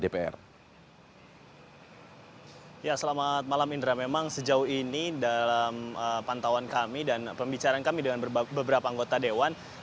ya selamat malam indra memang sejauh ini dalam pantauan kami dan pembicaraan kami dengan beberapa anggota dewan